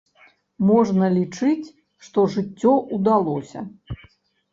Можна лічыць, што жыццё ўдалося.